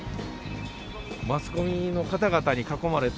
マスコミの方々に囲まれて、